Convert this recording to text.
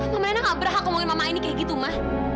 mama nenang tidak berapa ngomongin mama ini seperti itu ma